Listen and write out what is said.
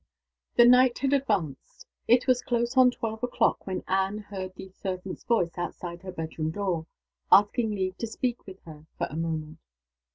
THE night had advanced. It was close on twelve o'clock when Anne heard the servant's voice, outside her bedroom door, asking leave to speak with her for a moment.